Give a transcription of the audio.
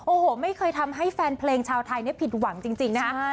โอ้โหไม่เคยทำให้แฟนเพลงชาวไทยเนี่ยผิดหวังจริงนะฮะ